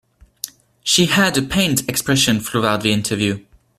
She had a pained expression throughout the interview.